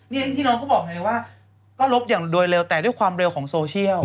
นี่พี่น้องเขาบอกไงว่าก็ลบอย่างโดยเร็วแต่ด้วยความเร็วของโซเชียล